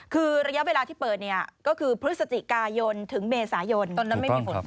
คือระยะเวลาที่เปิดเนี่ยก็คือพฤศจิกายนท์ถึงเมษายนท์